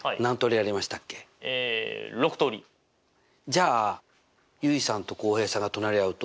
ええ６通り。じゃあ結衣さんと浩平さんが隣り合うと？